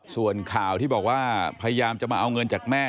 ส่วนข่าวที่บอกว่าพยายามจะมาเอาเงินจากแม่